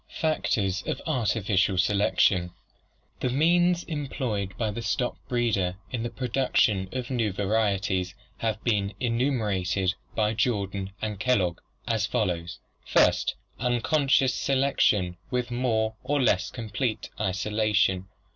Factors of Artificial Selection The means employed by the stock breeder in the production of new varieties have been enumerated by Jordan and Kellogg as follows: First, unconscious selection with more or less complete isola tion.